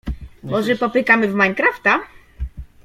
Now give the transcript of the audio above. Może popykamy w Minecrafta?